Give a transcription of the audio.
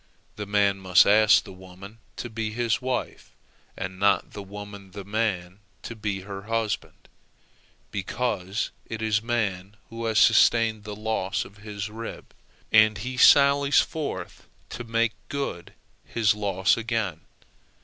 The man must ask the woman to be his wife, and not the woman the man to be her husband, because it is man who has sustained the loss of his rib, and he sallies forth to make good his loss again.